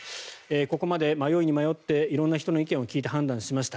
ここまで迷いに迷って色んな人の意見を聞いて判断しました。